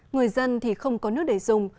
người dân thì không có nước để dùng